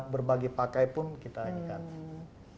berbagi pakai pun kita ingat